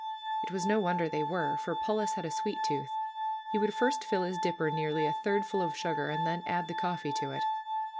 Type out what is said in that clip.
It was no wonder they were, for Polis had a sweet tooth. He would first fill his dipper nearly a third full of sugar, and then add the coffee to it.